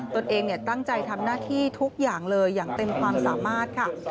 ตัวเองตั้งใจทำหน้าที่ทุกอย่างเลยอย่างเต็มความสามารถค่ะ